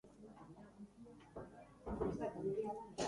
Horretaz gain, ostatua eta jatetxea ere baditu.